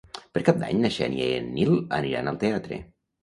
Per Cap d'Any na Xènia i en Nil aniran al teatre.